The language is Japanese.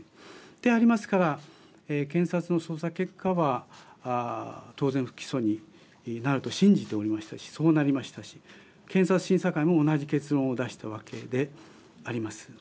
でありますから検察の捜査結果は当然、不起訴になると信じておりましたしそうなりましたし、検察審査会も同じ結論を出したわけであります。